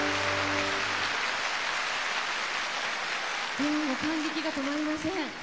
感激が止まりません。